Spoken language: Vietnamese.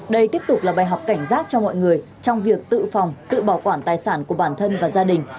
đây tiếp tục là bài học cảnh giác cho mọi người trong việc tự phòng tự bảo quản tài sản của bản thân và gia đình